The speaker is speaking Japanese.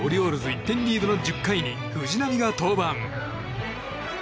１点リードの１０回に藤浪が登板。